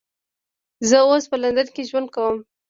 زه اوس په لندن کې ژوند کوم